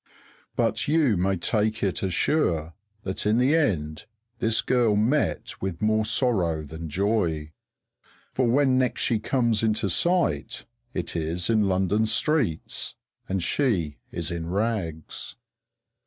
But you may take it as sure that in the end this girl met with more sorrow than joy; for when next she comes into sight it is in London streets and she is in rags.